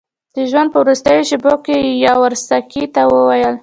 د ژوند په وروستیو شېبو کې یاورسکي ته وویل.